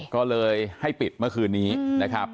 ก็เลยให้ปิดเมื่อคืนนี้นะครับ